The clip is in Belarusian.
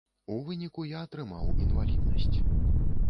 У выніку я атрымаў інваліднасць.